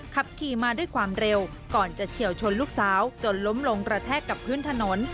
ขับขี่มาด้วยความเร็วก่อนจะเฉียวชนลูกสาวจนล้มลงกระแทกกับพื้นถนน